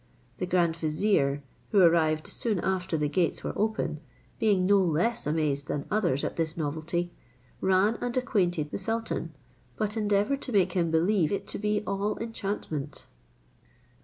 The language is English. The grand vizier, who arrived soon after the gates were open, being no less amazed than others at this novelty, ran and acquainted the sultan, but endeavoured to make him believe it to be all enchantment.